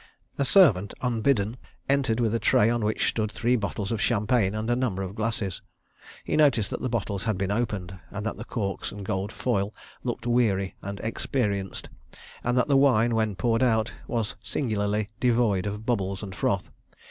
A servant, unbidden, entered with a tray on which stood three bottles of champagne and a number of glasses. He noticed that the bottles had been opened, that the corks and gold foil looked weary and experienced, and that the wine, when poured out, was singularly devoid of bubbles and froth.